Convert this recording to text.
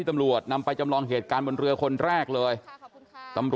ขออนุญาตเจ้าพี่ทางบ้านก่อนนะครับ